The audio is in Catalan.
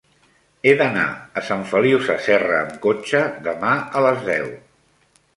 He d'anar a Sant Feliu Sasserra amb cotxe demà a les deu.